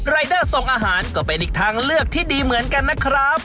รายเดอร์ส่งอาหารก็เป็นอีกทางเลือกที่ดีเหมือนกันนะครับ